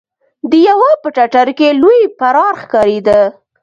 د يوه په ټټر کې لوی پرار ښکارېده.